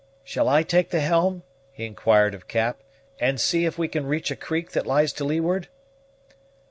"Shall I take the helm," he inquired of Cap, "and see if we can reach a creek that lies to leeward?"